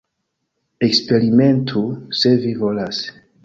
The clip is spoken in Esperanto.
Eksperimentu, se vi volas.